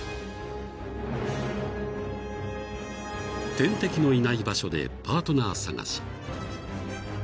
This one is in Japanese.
［天敵のいない場所でパートナー探し］